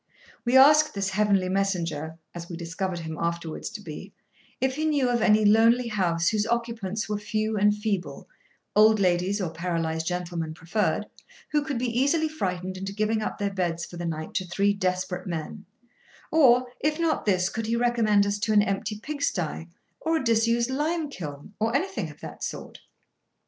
We asked this heavenly messenger (as we discovered him afterwards to be) if he knew of any lonely house, whose occupants were few and feeble (old ladies or paralysed gentlemen preferred), who could be easily frightened into giving up their beds for the night to three desperate men; or, if not this, could he recommend us to an empty pigstye, or a disused limekiln, or anything of that sort.